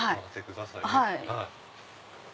はい。